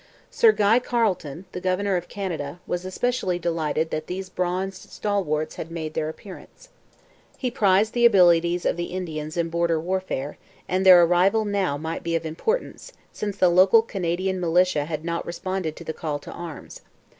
Sir Guy Carleton, the governor of Canada, was especially delighted that these bronzed stalwarts had made their appearance. He prized the abilities of the Indians in border warfare, and their arrival now might be of importance, since the local Canadian militia had not responded to the call to arms.